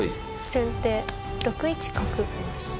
先手６一角。